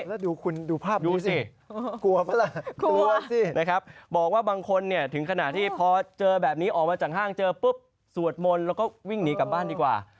แล้วดูคุณดูภาพดูสิกลัวปะล่ะกลัวสินะครับบอกว่าบางคนเนี่ยถึงขนาดที่พอเจอแบบนี้ออกมาจากห้างเจอปุ๊บสวดมนต์แล้วก็วิ่งหนีกลับบ้านดีกว่า